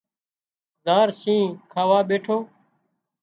زار شينهن کاوا ٻيٺو